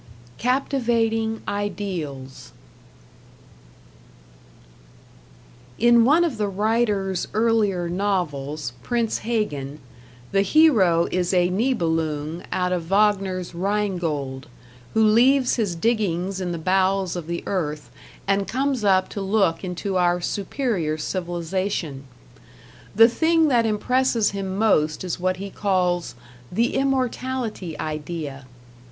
#Captivating Ideals# In one of the writer's earlier novels, "Prince Hagen", the hero is a Nibelung out of Wagner's "Rheingold", who leaves his diggings in the bowels of the earth, and comes up to look into our superior civilization. The thing that impresses him most is what he calls "the immortality idea".